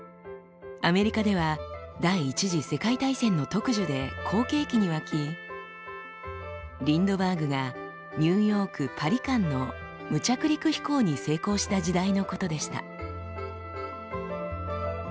アメリカでは第一次世界大戦の特需で好景気に沸きリンドバーグがニューヨーク−パリ間の無着陸飛行に成功した時代のことでした。